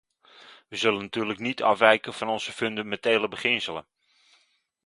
We zullen natuurlijk niet afwijken van onze fundamentele beginselen.